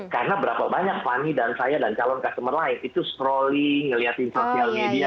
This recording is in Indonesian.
karena berapa banyak fanny dan saya dan calon customer life itu scrolling ngeliatin social media